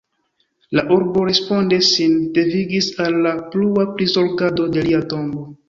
La urbo responde sin devigis al la plua prizorgado de lia tombo.